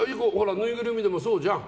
ぬいぐるみでもそうじゃん。